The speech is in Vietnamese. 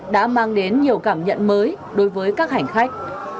đã mang đến nhiều cảm nhận mới đối với các hành khách